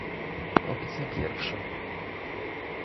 Opcja pierwsza